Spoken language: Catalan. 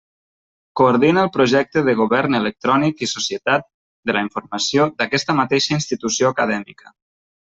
Coordina el Projecte de Govern Electrònic i Societat de la Informació d'aquesta mateixa institució acadèmica.